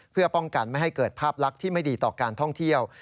เพื่อป้องกันไม่ให้เกิดภาพลักษณ์ที่ไม่ดีต่อการท่องเที่ยว